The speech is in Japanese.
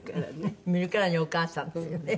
見るからにお母さんですよね。